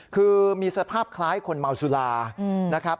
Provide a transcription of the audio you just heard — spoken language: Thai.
คือมีสภาพคล้ายคนเมาสุรานะครับ